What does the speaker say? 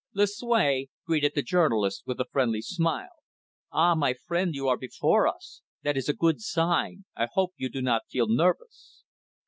Lucue greeted the journalist with a friendly smile. "Ah, my friend, you are before us. That is a good sign. I hope you do not feel nervous."